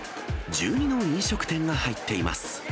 １２の飲食店が入っています。